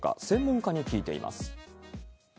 専門家に聞いています。